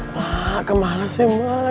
mak kemales sih mak